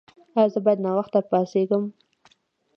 ایا زه باید ناوخته پاڅیږم؟